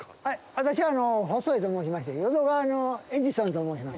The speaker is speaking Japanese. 私あの、細江と申しまして、淀川のエジソンと申します。